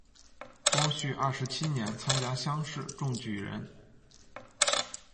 光绪二十七年参加乡试中举人。